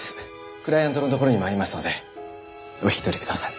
クライアントのところに参りますのでお引き取りください。